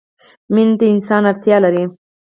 مینې ته انسان اړتیا لري.